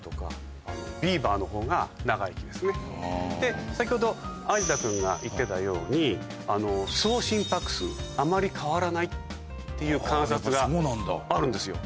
で先ほど有田君が言ってたように総心拍数あまり変わらないっていう観察があるんですよ。